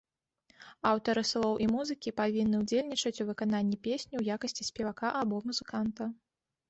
Аўтары слоў і музыкі павінны ўдзельнічаць у выкананні песні ў якасці спевака або музыканта.